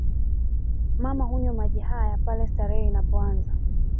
Mama hunywa maji haya pale sherehe inapoanza